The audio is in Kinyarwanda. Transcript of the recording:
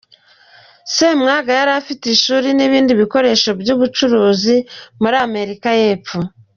Semwanga yari afite ishuri n’ibindi bikorwa by’ubucuruzi muri Afurika y’Epfo.